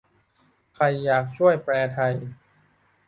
ใครอยากช่วยแปลไทย